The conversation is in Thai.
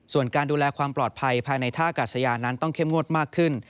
ส่วนการดูแลความปลอดภัยภายในท่ากาศยานั้นต้องเข้มงวดมากขึ้น